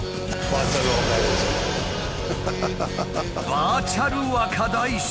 「バーチャル若大将」？